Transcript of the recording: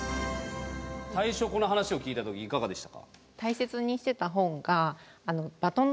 最初この話を聞いた時いかがでしたか？